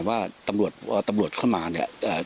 ว่าตำรวจเข้ามาเหรอ